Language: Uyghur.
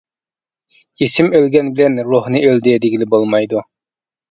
جىسىم ئۆلگەن بىلەن روھنى ئۆلدى، دېگىلى بولمايدۇ.